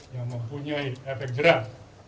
yang mempunyai efek jerah